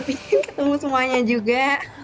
pengen ketemu semuanya juga